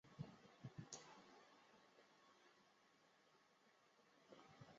后汉草创期功臣之一。